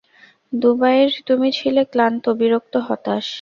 দুবারই তুমি ছিলে ক্লান্ত, বিরক্ত, হতাশ।